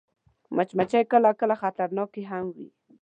مچمچۍ کله کله خطرناکه هم وي